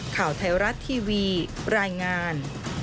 ข่าวไทยรัฐทีวีรายงาน